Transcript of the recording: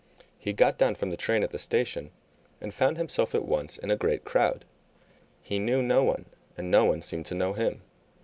He got down from the train at the station, and found himself at once in a great crowd. He knew no one, and no one seemed to know him.